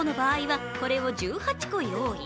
３合の場合はこれを１８個用意。